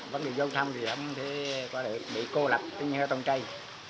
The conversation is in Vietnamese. vẫn được vô thăm thì không thể qua được bị cô lập tính như hơi tông trây